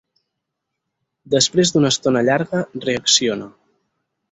Després d'una estona llarga, reacciona.